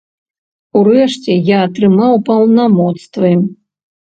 Урэшце, я атрымаў паўнамоцтвы.